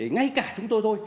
ngay cả chúng tôi thôi